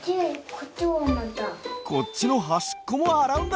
こっちのはしっこもあらうんだね。